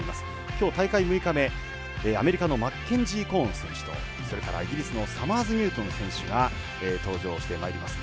きょう、大会６日目、アメリカのマッケンジー・コーン選手とそれから、イギリスのサマーズニュートン選手が登場してまいります。